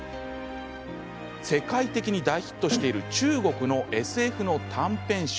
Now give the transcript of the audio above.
世界的に大ヒットしている中国のＳＦの短編集。